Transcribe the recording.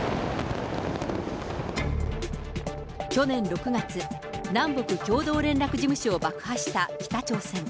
去年６月、南北共同連絡事務所を爆破した北朝鮮。